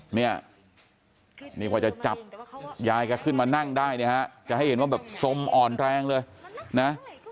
เนี่ยนี่กว่าจะจับยายแกขึ้นมานั่งได้เนี่ยฮะจะให้เห็นว่าแบบสมอ่อนแรงเลยนะ